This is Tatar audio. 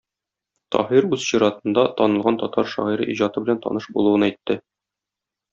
Таһир үз чиратында, танылган татар шагыйре иҗаты белән таныш булуын әйтте.